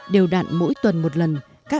đều đặn mỗi tuần một lần